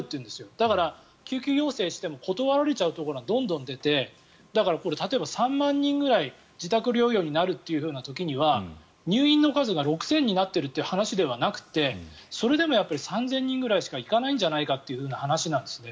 だから、救急要請しても断られちゃうところがどんどん出て例えば３万人ぐらい自宅療養になるという時には入院の数が６０００になっているという話ではなくてそれでも３０００人ぐらいしか行かないんじゃないかという話なんですね。